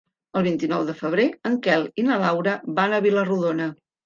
El vint-i-nou de febrer en Quel i na Laura van a Vila-rodona.